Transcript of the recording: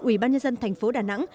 ủy ban nhân dân tp đà nẵng